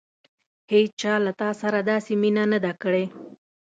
هېڅچا له تا سره داسې مینه نه ده کړې.